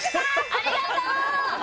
ありがとう！